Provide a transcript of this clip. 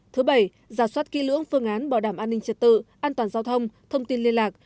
thứ bảy giả soát kỹ lưỡng phương án bảo đảm an ninh trật tự an toàn giao thông thông tin liên lạc